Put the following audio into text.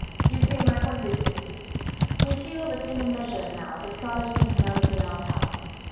"You see, my point is this. We feel that in a measure now the Scarlet Pimpernel is in our power.